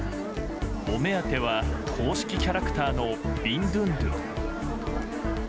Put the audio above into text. お目当ては公式キャラクターのビンドゥンドゥン。